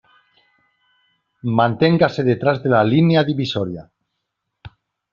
Manténgase detrás de la línea divisoria.